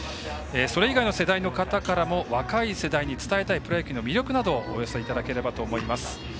それ以外の世代の方からも若い世代に伝えたいプロ野球の魅力などをお寄せいただければと思います。